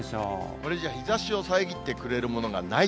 これじゃあ、日ざしを遮ってくれるものがない。